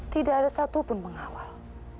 tidak ada satu pun mengawal